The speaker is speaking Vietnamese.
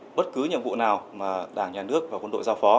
những nhiệm vụ nào mà đảng nhà nước và quân đội giao phó